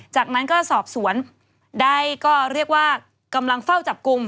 จากนั้นก็สอบสวนได้ก็เรียกว่ากำลังเฝ้าจับกลุ่ม